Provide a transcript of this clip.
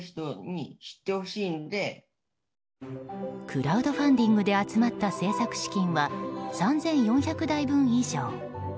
クラウドファンディングで集まった製作資金は３４００台分以上。